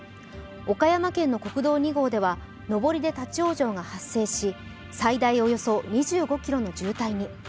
岡山県の国道２号では上りで立ち往生が発生し、最大およそ２５ｋｍの渋滞に。